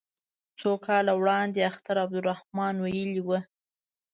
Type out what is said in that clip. څو کاله وړاندې اختر عبدالرحمن ویلي وو.